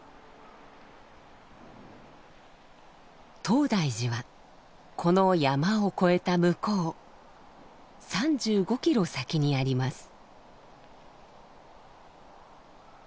東大寺はこの山を越えた向こう３５キロ先にあります。